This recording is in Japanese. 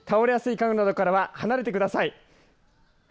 倒れやすい家具などから離れてください。